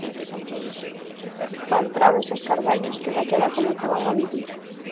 Fan trabes os carballos que daquela comezaban a vivir.